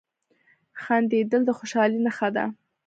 • خندېدل د خوشحالۍ نښه ده.